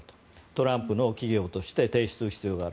トランプの企業として提出する必要がある。